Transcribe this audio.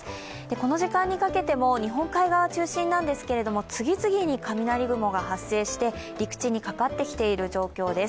この時間にかけても日本海側中心なんですが、次々に雷雲が発生して陸地にかかってきている状況です。